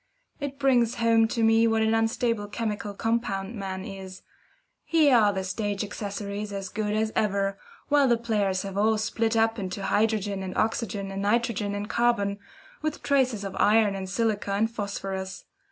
It brings home to me what an unstable chemical compound man is. Here are the stage accessories as good as ever, while the players have all split up into hydrogen and oxygen and nitrogen and carbon, with traces of iron and silica and phosphorus.